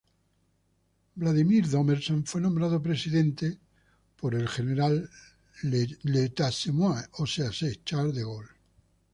Wladimir d’Ormesson fue nombrado presidente de la por el general Charles de Gaulle.